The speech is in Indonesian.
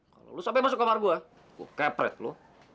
kalau lo sampai masuk kamar gue gue kepret lo